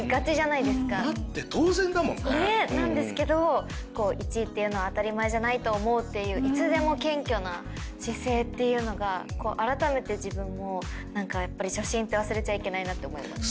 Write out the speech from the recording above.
なんですけど１位っていうのは当たり前じゃないと思うっていういつでも謙虚な姿勢っていうのが改めて自分も初心って忘れちゃいけないなと思いました。